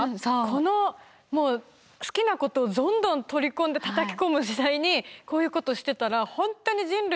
このもう好きなことをどんどん取り込んでたたき込む時代にこういうことしてたら本当に人類に貢献しますよね